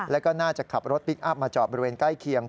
แล้วก็น่าจะขับรถพลิกอัพมาจอดบริเวณใกล้เคียง